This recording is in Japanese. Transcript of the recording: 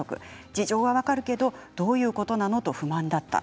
事情は分かるけどどういうことなの？と不満でした。